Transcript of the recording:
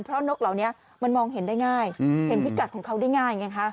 เพราะว่านกเห็นได้ง่ายเห็นพิกัดของเขาได้ง่ายเลย